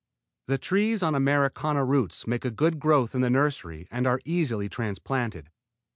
The trees on Americana roots make a good growth in the nursery and are easily transplanted.